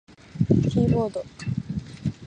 キーボード